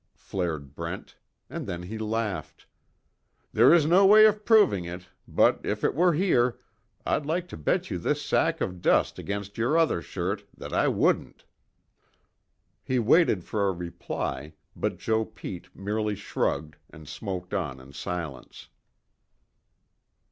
flared Brent, and then he laughed. "There is no way of proving it, but if there were, I'd like to bet you this sack of dust against your other shirt that I wouldn't." He waited for a reply, but Joe Pete merely shrugged, and smoked on in silence.